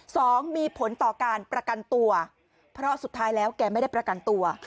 สองมีผลต่อการประกันตัวเพราะสุดท้ายแล้วแกไม่ได้ประกันตัว